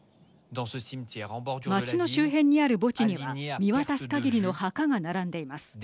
街の周辺にある墓地には見渡すかぎりの墓が並んでいます。